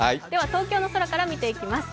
東京の空から見ていきます。